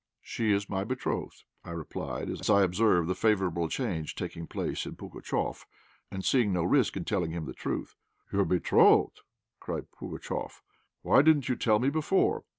"She is my betrothed," I replied, as I observed the favourable change taking place in Pugatchéf, and seeing no risk in telling him the truth. "Your betrothed!" cried Pugatchéf. "Why didn't you tell me before?